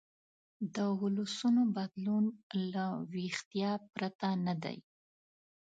د ولسونو بدلون له ویښتیا پرته نه دی.